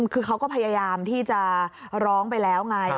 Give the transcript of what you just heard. คือเขาก็พยายามที่จะร้องไปแล้วไง